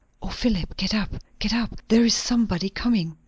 "O Philip, get up! get up! there is somebody coming!"